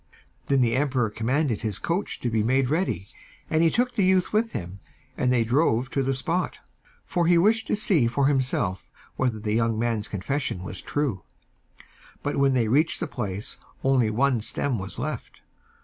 Then the emperor commanded his coach to be made ready, and he took the youth with him, and they drove to the spot, for he wished to see for himself whether the young man's confession was true; but when they reached the place only one stem was left.